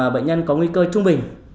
bệnh nhân có nguy cơ trung bình